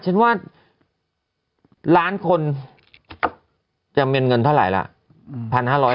ฉันว่าล้านคนจะเมียนเงินเท่าไหร่ล่ะ๑๕๐๐ล้านบาท